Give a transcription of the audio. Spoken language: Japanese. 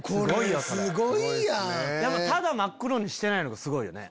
ただ真っ黒にしてないのがすごいよね